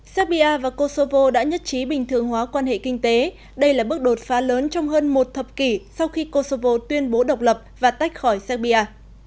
serbia và kosovo đã nhất trí bình thường hóa quan hệ kinh tế đây là bước đột phá lớn trong hơn một thập kỷ sau khi kosovo tuyên bố độc lập và tách khỏi serbia